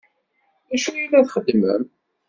D acu i la txeddmem?